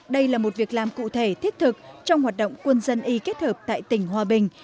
đây là một việc làm cụ thể thiết thực trong hoạt động quân dân y kết hợp tại tỉnh hòa bình